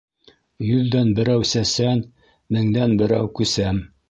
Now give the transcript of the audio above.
Йөҙҙән берәү сәсән, меңдән берәү күсәм.